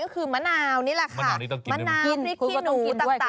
คุณนี่แหละค่ะมะนาวพริกขี้หนูต่างแบบนี้นะคะ